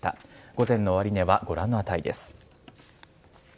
午前の終値はご覧の値です。